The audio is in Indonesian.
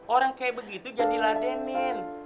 orang kayak begitu jadilah denin